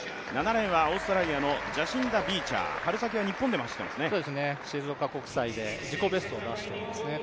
７レーンはオーストラリアのジャシンタ・ビーチャー、静岡国債で自己ベストを出していますね。